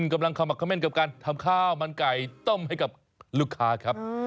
กำลังขมักเม่นกับการทำข้าวมันไก่ต้มให้กับลูกค้าครับ